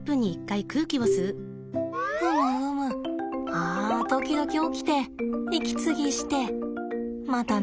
ふむふむあ時々起きて息継ぎしてまた寝るとな。